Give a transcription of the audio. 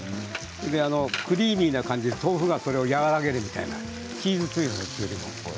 クリーミーな感じで豆腐がそれを和らげるみたいなチーズクリーム。